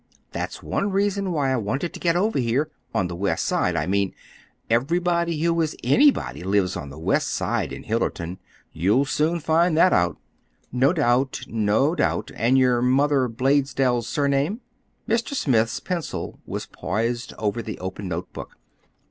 That's one reason why I wanted to get over here—on the West Side, I mean. Everybody who is anybody lives on the West Side in Hillerton. You'll soon find that out." "No doubt, no doubt! And your mother Blaisdell's surname?" Mr. Smith's pencil was poised over the open notebook.